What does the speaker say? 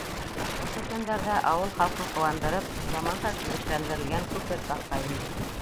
Ошо көндәрҙә, ауыл халҡын ҡыуандырып, заманса төҙөкләндерелгән күпер сафҡа инде.